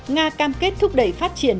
nga cam kết thúc đẩy phát triển